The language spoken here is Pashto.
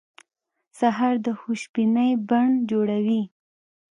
سهار د خوشبینۍ بڼ جوړوي.